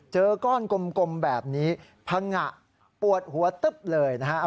เจอก้อนกลมแบบนี้พังงะปวดหัวตึ๊บเลยนะฮะ